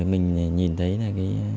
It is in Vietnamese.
mình nhìn thấy